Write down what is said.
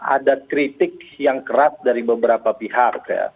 ada kritik yang keras dari beberapa pihak